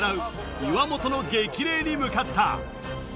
岩本の激励に向かった。